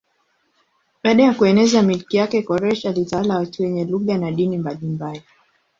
Baada ya kueneza milki yake Koreshi alitawala watu wenye lugha na dini mbalimbali.